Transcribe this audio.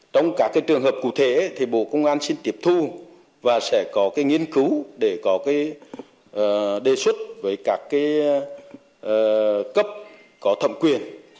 trong các cái trường hợp cụ thể thì bộ công an xin tiệp thu và sẽ có cái nghiên cứu để có cái đề xuất với các cái cấp có thẩm quyền